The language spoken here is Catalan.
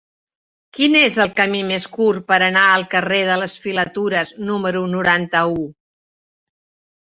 Quin és el camí més curt per anar al carrer de les Filatures número noranta-u?